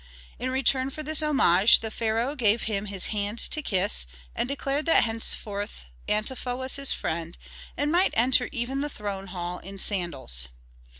In return for this homage the pharaoh gave him his hand to kiss, and declared that thenceforth Antefa was his friend, and might enter even the throne hall in sandals.